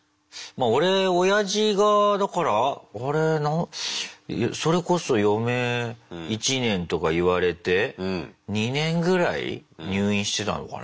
俺おやじがだからそれこそ余命１年とか言われて２年ぐらい入院してたのかな。